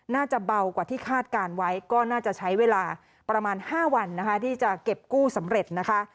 น่าจะเบากว่าที่คาดการณ์ไว้ก็น่าจะใช้เวลาประมาณ๕วันนะคะที่จะเก็บกู้สำเร็จนะคะ